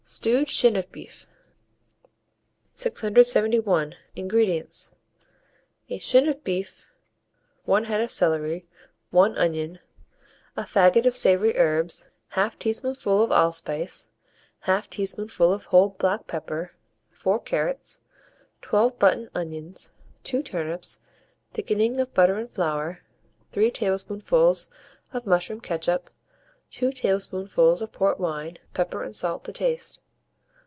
STEWED SHIN OF BEEF. 671. INGREDIENTS. A shin of beef, 1 head of celery, 1 onion, a faggot of savoury herbs, 1/2 teaspoonful of allspice, 1/2 teaspoonful of whole black pepper, 4 carrots, 12 button onions, 2 turnips, thickening of butter and flour, 3 tablespoonfuls of mushroom ketchup, 2 tablespoonfuls of port wine; pepper and salt to taste.